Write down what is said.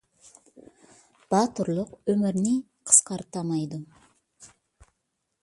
باتۇرلۇق ئۆمۇرنى قىسقارتامايدۇ